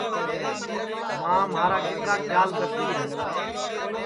ماں مھارا کِترا کھیال کرتی ہے